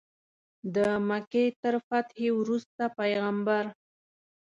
د مکې تر فتحې وروسته پیغمبر.